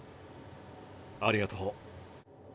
ありがとう。